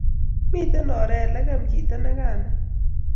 Miten oret lekem chito nekame